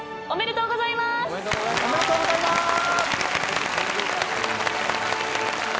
おめでとうございます！